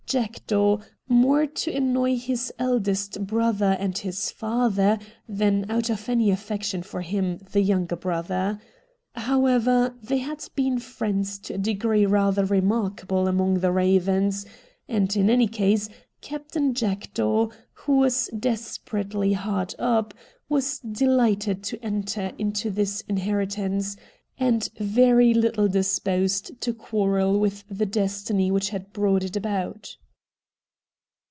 Jackdaw, more to annoy his eldest brother and his father than out of any affection for him, the younger brother. However, they had been friends to a degree rather remarkable among the Eavens, and in any case Captain Jackdaw, who was desperately hard up, was delighted to enter into his inheritance, and very little disposed to quarrel with the destiny which had brought it about.